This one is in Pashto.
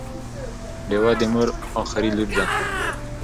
ډیوه د مور اخري لور ده